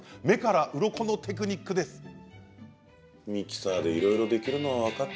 目からうろこのテクニックです。